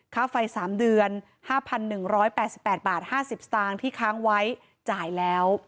ค่าไฟ๓เดือน๕๑๘๘บาท๕๐สตางค์ที่ค้างไว้จ่ายแล้ว